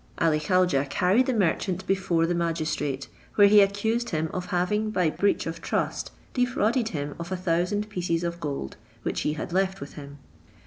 Ali Khaujeh carried the merchant before the magistrate, where he accused him of having, by breach of trust, defrauded him of a thousand pieces of gold, which he had left with him.